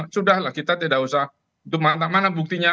sudahlah kita tidak usah itu mana mana buktinya